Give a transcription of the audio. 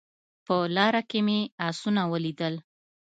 په لاره کې مې اسونه ولیدل